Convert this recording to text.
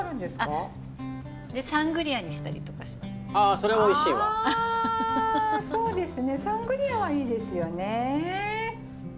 そうですねサングリアはいいですよね！